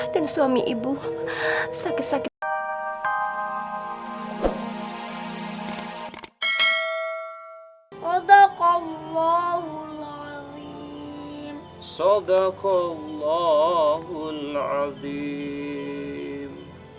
dan suami ibu sakit sakit